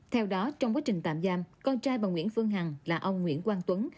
theo đó trong quá trình tạm giam con trai bà nguyễn phương hằng là ông nguyễn quang tuấn